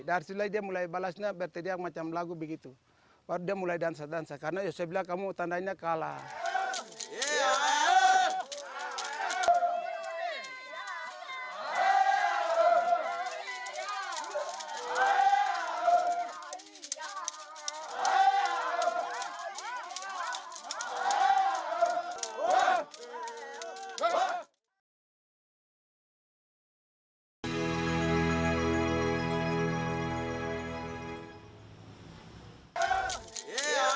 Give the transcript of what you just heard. dan setelah dia mulai balasnya berteriak macam lagu begitu lalu dia mulai dansa dansa karena yosef bilang kamu tandanya kalah